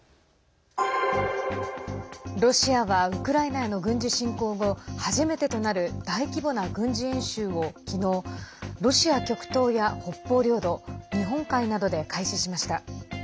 ロシアはウクライナへの軍事侵攻後初めてとなる大規模な軍事演習を昨日、ロシア極東や北方領土日本海などで開始しました。